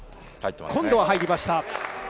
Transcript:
今度は入りました。